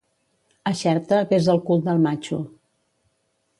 A Xerta, besa el cul del matxo.